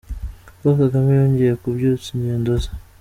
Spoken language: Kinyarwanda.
Paul Kagame yongeye kubyutsa ingendo ze.